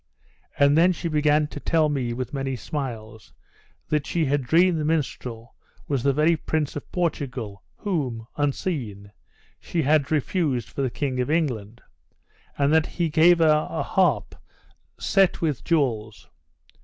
And then she began to tell me with many smiles, that she had dreamed the minstrel was the very Prince of Portugal, whom, unseen, she had refused for the King of England; and that he gave her a harp set with jewels.